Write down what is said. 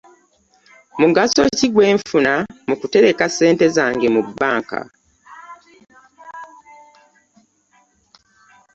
Mugaso kigw'enfuna mu kutereka ssente zange mu bbanka?